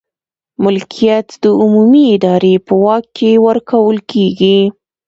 ملکیت د عمومي ادارې په واک کې ورکول کیږي.